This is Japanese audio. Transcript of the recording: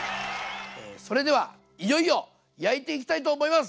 それではいよいよ焼いていきたいと思います！